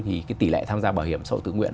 thì cái tỷ lệ tham gia bảo hiểm xã hội thương nguyện